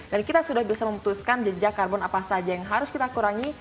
dan kita sudah bisa memutuskan jejak karbon apa saja yang harus kita kurangi